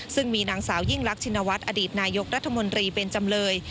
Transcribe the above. ซึ่งมีนางสาวยิ่งรักชินวัฒน์อดีตนายกรัฐมนตรีเป็นจำเลย